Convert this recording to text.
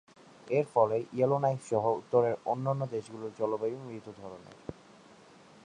এর ফলে ইয়েলোনাইফ-সহ উত্তরের অন্যান্য দেশগুলোর জলবায়ু মৃদু ধরনের।